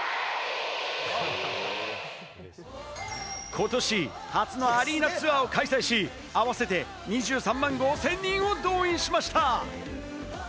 ことし初のアリーナツアーを開催し、合わせて２３万５０００人を動員しました。